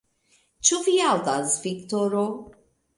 Ĉu vi aŭdas, Viktoro?